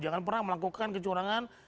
jangan pernah melakukan kecurangan